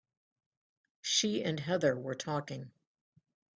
She and Heather were talking.